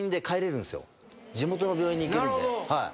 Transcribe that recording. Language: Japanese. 地元の病院に行けるので。